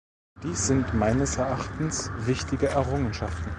Dies sind meines Erachtens wichtige Errungenschaften.